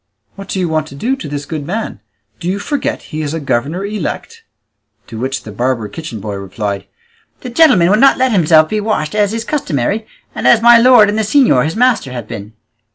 What do you want to do to this good man? Do you forget he is a governor elect?" To which the barber kitchen boy replied, "The gentleman will not let himself be washed as is customary, and as my lord and the señor his master have been."